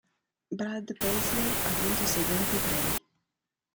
Brad Paisley ha vinto i seguenti premi.